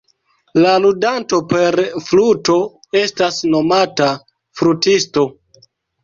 La ludanto per fluto estas nomata flutisto.